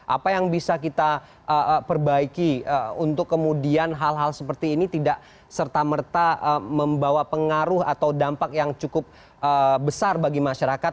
apa yang bisa kita perbaiki untuk kemudian hal hal seperti ini tidak serta merta membawa pengaruh atau dampak yang cukup besar bagi masyarakat